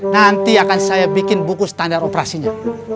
nanti akan saya bikin buku standar operasinya